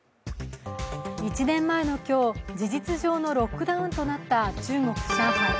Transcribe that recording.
１年前の今日、事実上のロックダウンとなった中国・上海。